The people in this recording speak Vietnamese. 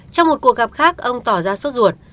trong một cuộc gặp khác ông tỏ ra sốt ruột